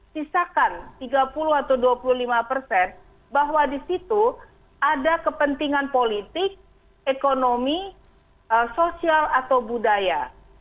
sisakan tiga puluh atau dua puluh lima persen bahwa di situ ada kepentingan politik ekonomi sosial atau budaya